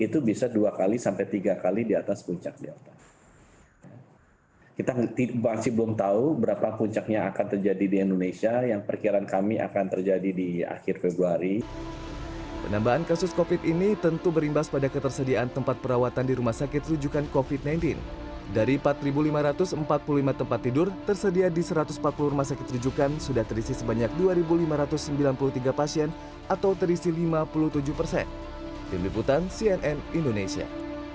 tim liputan cnn indonesia